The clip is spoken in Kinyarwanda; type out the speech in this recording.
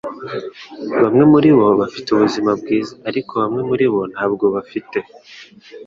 Bamwe muribo bafite ubuzima bwiza ariko bamwe muribo ntabwo bafite